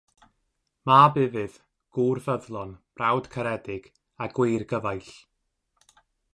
Mab ufudd, gŵr ffyddlon, brawd caredig, a gwir gyfaill.